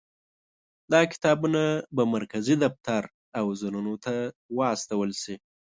دا کتابونه به مرکزي دفتر او زونونو ته واستول شي.